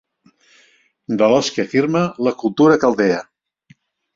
De l'ós que afirma la cultura caldea.